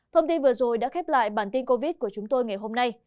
thông tin vừa rồi đã khép lại bản tin covid của chúng tôi ngày hôm nay